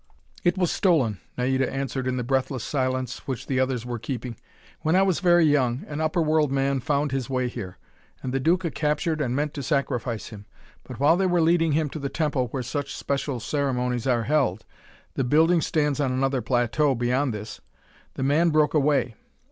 "It was stolen," Naida answered in the breathless silence which the others were keeping. "When I was very young, an upper world man found his way here, and the Duca captured and meant to sacrifice him. But while they were leading him to the temple where such special ceremonies are held the building stands on another plateau, beyond this the man broke away.